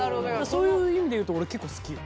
そういう意味でいうと俺結構好きよ。